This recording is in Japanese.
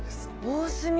おおすみ。